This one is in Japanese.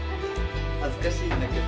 恥ずかしいんだけど。